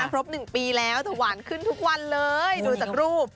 ครบ๑ปีแล้วแต่หวานขึ้นทุกวันเลยดูจากรูป